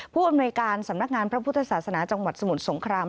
ผู้อำนวยการสำนักงานพระพุทธศาสนาจังหวัดสมุทรสงคราม